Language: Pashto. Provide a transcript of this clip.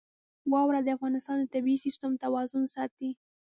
واوره د افغانستان د طبعي سیسټم توازن ساتي.